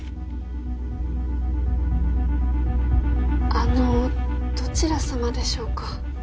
あのどちらさまでしょうか？